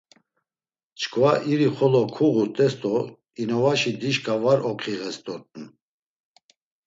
Çkva irixolo kuğut̆es do inuvaşi dişka var oǩiğes dort̆un.